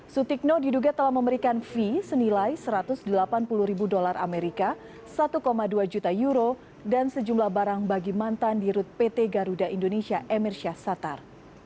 sutikno diduga telah memberikan fee senilai satu ratus delapan puluh ribu dolar amerika satu dua juta euro dan sejumlah barang bagi mantan di rut pt garuda indonesia emir syah satar